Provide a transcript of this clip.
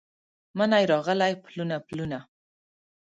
مني راغلي پلونه، پلونه